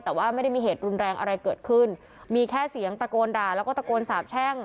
แต่ว่าไม่ได้มีเหตุรุนแรงอะไรเกิดขึ้นมีแค่เสียงตะโกนด่าแล้วก็ตะโกนสาบแช่ง